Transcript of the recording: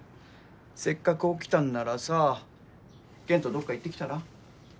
せっかく起きたんならさケンとどっか行ってきたら？